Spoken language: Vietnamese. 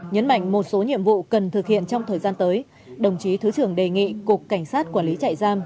nhấn mạnh một số nhiệm vụ cần thực hiện trong thời gian tới đồng chí thứ trưởng đề nghị cục cảnh sát quản lý trại giam